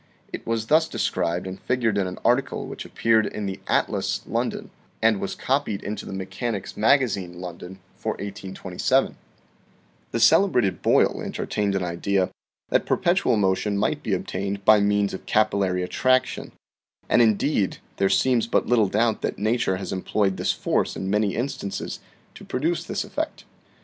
It was thus de scribed and figured in an article which appeared in the " Atlas " (London) and was copied into " The Mechanic's Magazine" (London) for 1827: " The celebrated Boyle entertained an idea that perpetual motion might be obtained by means of capillary attraction; and, indeed, there seems but little doubt that nature has employed this force in many instances to produce this effect.